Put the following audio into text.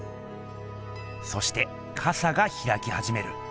そしてかさがひらきはじめる。